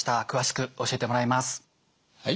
詳しく教えてもらいます。